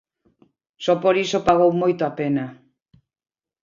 Só por iso pagou moito a pena.